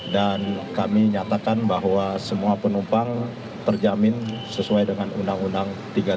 dan kami nyatakan bahwa semua penumpang terjamin sesuai dengan undang undang tiga ribu tiga ratus tiga puluh empat